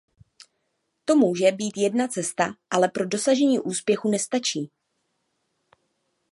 To může být jedna cesta, ale pro dosažení úspěchu nestačí.